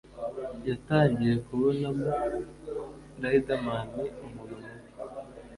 yatangiye kubonamo Riderman umuntu mubi